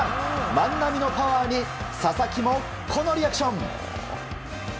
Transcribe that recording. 万波のパワーに佐々木もこのリアクション。